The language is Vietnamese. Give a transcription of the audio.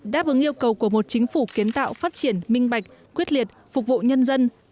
đáp ứng yêu cầu của một chính phủ kiến tạo phát triển minh bạch quyết liệt phục vụ nhân dân